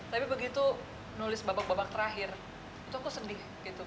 tapi begitu nulis babak babak terakhir itu aku sedih